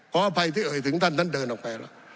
ขออภัยที่เอ่ยถึงท่านนั้นเดินออกไป